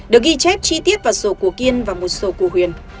được ghi chép chi tiết vào sổ của kiên và một sổ cổ huyền